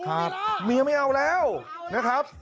เมียไม่เอาแล้วนะครับ